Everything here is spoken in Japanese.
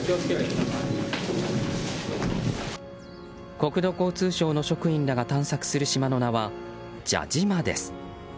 国土交通省の職員らが探索する島の名は蛇島です。